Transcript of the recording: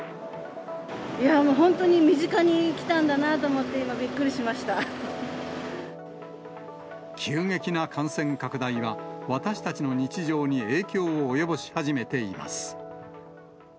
本当に身近に来たんだなと思急激な感染拡大は、私たちの日常に影響を及ぼし始めています。